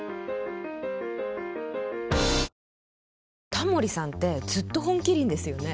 タモリさんってずっと「本麒麟」ですよね。